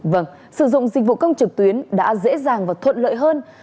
vâng sử dụng dịch vụ công trực tuyến đã dễ dàng và thuận lợi hơn